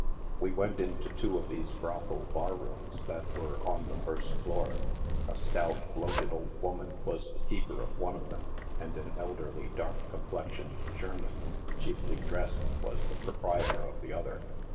We went into two of these brothel bar rooms that were on the first floor. A stout, bloated old woman was the keeper of one of them, and an elderlv, dark complexioned German, cheaply dressed, was the proprietor of the other.